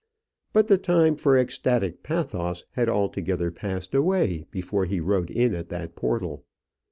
But the time for ecstatic pathos had altogether passed away before he rode in at that portal.